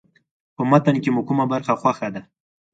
په متن کې مو کومه برخه خوښه ده.